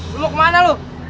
lu kemana lu